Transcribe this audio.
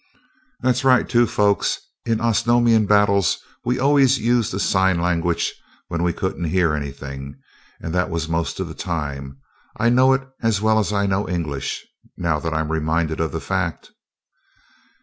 "That's right, too, folks. In Osnomian battles we always used a sign language when we couldn't hear anything and that was most of the time. I know it as well as I know English, now that I am reminded of the fact."